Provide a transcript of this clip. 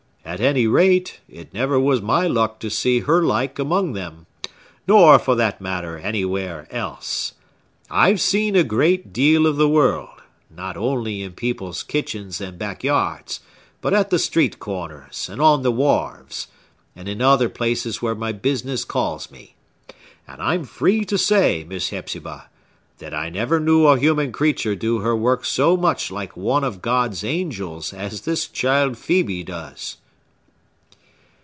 "At any rate, it never was my luck to see her like among them, nor, for that matter, anywhere else. I've seen a great deal of the world, not only in people's kitchens and back yards but at the street corners, and on the wharves, and in other places where my business calls me; and I'm free to say, Miss Hepzibah, that I never knew a human creature do her work so much like one of God's angels as this child Phœbe does!"